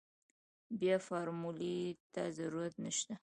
بيا فارمولې ته ضرورت نشته.